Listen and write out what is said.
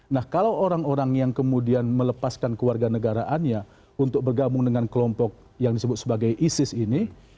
nah kalau orang orang yang kemudian melepaskan keluarga negaraannya untuk bergabung dengan kelompok yang disebut sebagai isis ini